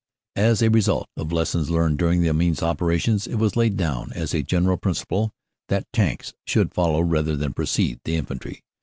"As a result of lessons learned during the Amiens opera tions, it was laid down, as a general principle, that Tanks should follow rather than precede the Infantry.